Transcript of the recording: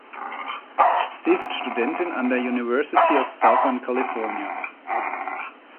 Sie ist Studentin an der University of Southern California.